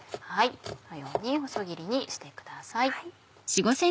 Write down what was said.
このように細切りにしてください。